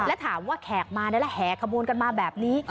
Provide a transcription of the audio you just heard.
แล้วถามว่าแขกมาได้แล้วแห่ขบวนกันมาแบบนี้